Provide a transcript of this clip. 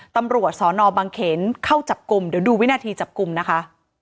ตำรวจสอนอบังเขนเข้าจับกลุ่มเดี๋ยวดูวินาทีจับกลุ่มนะคะ